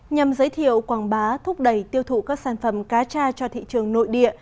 nhằm giới thiệu quảng bá thúc đẩy tiêu thụ các sản phẩm cá tra cho thị trường nội địa